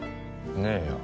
ねえよ。